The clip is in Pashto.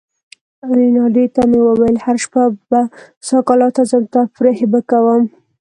رینالډي ته مې وویل: هره شپه به سکالا ته ځم، تفریح به کوم.